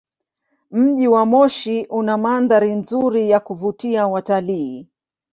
Mji wa Moshi una mandhari nzuri ya kuvutia watalii.